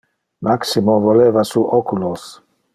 Maximo volveva su oculos.